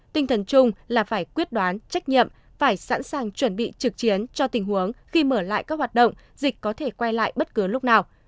tinh thần chung là phải quyết đoán trách nhiệm phải sẵn sàng chuẩn bị trực chiến cho tình huống khi mở lại các hoạt động dịch có thể quay lại bất cứ lúc nào